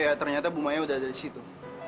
ya ternyata bu maya udah ada di situ